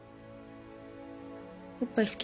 おっぱい好き？